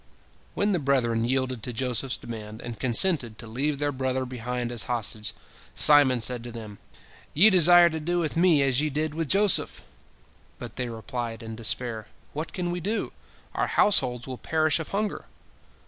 When the brethren yielded to Joseph's demand, and consented to leave their brother behind as hostage, Simon said to them, "Ye desire to do with me as ye did with Joseph!" But they replied, in despair: "What can we do? Our households will perish of hunger."